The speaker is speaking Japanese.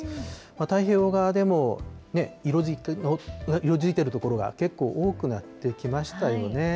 太平洋側でも色づいている所がけっこう多くなってきましたよね。